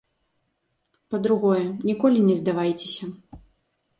Па-другое, ніколі не здавайцеся.